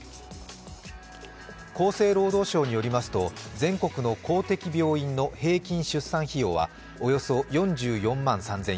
厚生労働省によりますと、全国の公的病院の平均出産費用はおよそ４４万３０００円。